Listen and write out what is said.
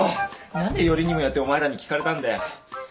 何でよりにもよってお前らに聞かれたんだよ。